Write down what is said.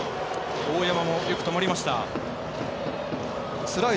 大山もよく止まりました。